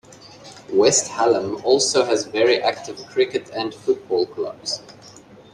West Hallam also has very active Cricket and Football Clubs.